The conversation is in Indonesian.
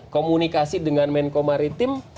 komunikasi dengan menko maritim